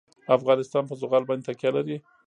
افغانستان په زغال باندې تکیه لري.